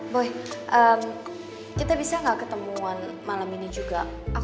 boy kita bisa nggak ketemuan malam ini juga